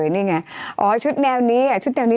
นี่ไงอ๋อชุดแนวนี้น่ารักนะ